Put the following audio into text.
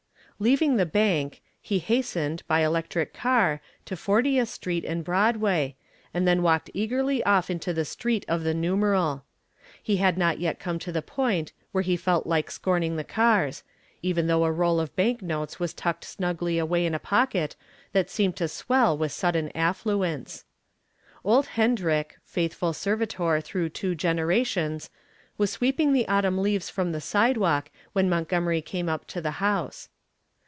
Leaving the bank, he hastened, by electric car, to Fortieth Street and Broadway, and then walked eagerly off into the street of the numeral. He had not yet come to the point where he felt like scorning the cars, even though a roll of banknotes was tucked snugly away in a pocket that seemed to swell with sudden affluence. Old Hendrick, faithful servitor through two generations, was sweeping the autumn leaves from the sidewalk when Montgomery came up to the house.